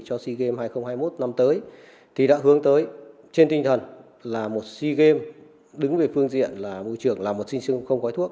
sea games hai nghìn hai mươi một năm tới thì đã hướng tới trên tinh thần là một sea games đứng về phương diện là môi trường là một sinh sương không khói thuốc